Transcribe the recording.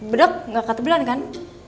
bedok gak ketebelan kan